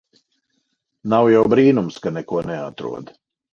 Nav jau brīnums ka neko neatrod.